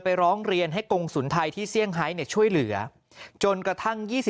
ร้องเรียนให้กรงศูนย์ไทยที่เซี่ยงไฮช่วยเหลือจนกระทั่ง